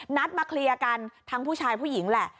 นัดมาเคลียร์กันทั้งผู้ชายผู้หญิงแหละ